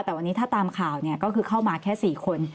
แต่วันนี้ถ้าตามข่าวเนี่ยก็คือเข้ามาแค่๔คน